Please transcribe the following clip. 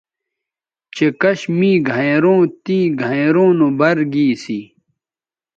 چہء کش می گھینئروں تیں گھینئروں نو بَر گی سی